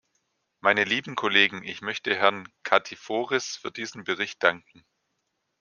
Meine lieben Kollegen, ich möchte Herrn Katiforis für diesen Bericht danken.